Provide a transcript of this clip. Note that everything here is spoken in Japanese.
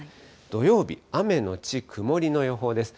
土曜日、雨のち曇りの予報です。